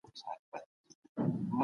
افغانانو کلک ځواب ورکړ